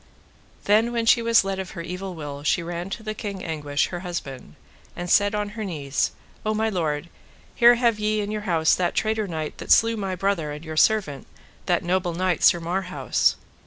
Then when she was let of her evil will she ran to the King Anguish, her husband, and said on her knees: O my lord, here have ye in your house that traitor knight that slew my brother and your servant, that noble knight, Sir Marhaus.